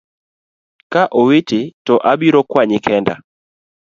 Ka owiti to abiro kwanyi kenda.